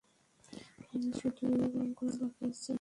হ্যা, শুধু রং করা বাকি আছে।